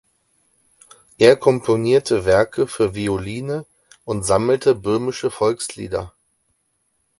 Er komponierte Werke für Violine und sammelte böhmische Volkslieder.